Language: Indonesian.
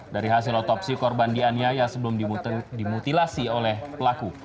dari hasil otopsi korban dianiaya sebelum dimutilasi oleh pelaku